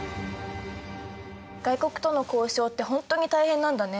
外国との交渉ってほんとに大変なんだね。